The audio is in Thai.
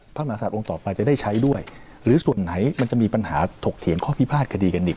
มหาศาสตองค์ต่อไปจะได้ใช้ด้วยหรือส่วนไหนมันจะมีปัญหาถกเถียงข้อพิพาทคดีกันอีก